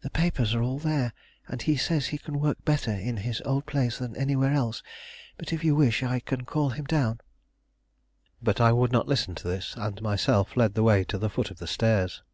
"The papers are all there, and he says he can work better in his old place than anywhere else; but if you wish, I can call him down." But I would not listen to this, and myself led the way to the foot of the stairs.